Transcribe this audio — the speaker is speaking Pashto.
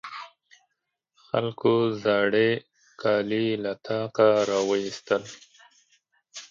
خلکو زاړې کالي له طاقه راواېستل.